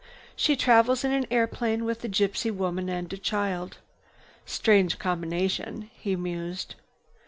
"She travels in an airplane with a gypsy woman and a child. Strange combination," he mused.